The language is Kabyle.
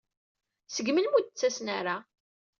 Seg melmi ur la d-ttasen ara?